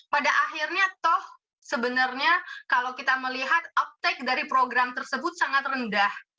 pada akhirnya toh sebenarnya kalau kita melihat optec dari program tersebut sangat rendah